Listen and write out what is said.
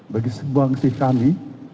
bagi sebuang sikh kami